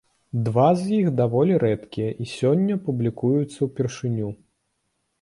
Два з іх даволі рэдкія і сёння публікуюцца ўпершыню.